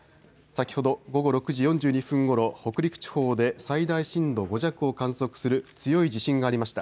先ほど午後６時４２分ごろ北陸地方で最大震度５弱を観測する強い地震がありました。